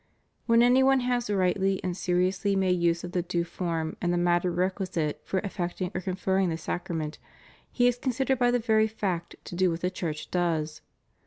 When any one has rightly and seriously made use of the due form and the matter requisite for effecting or conferring the sacrament he is considered by the very fact to do what the Church does.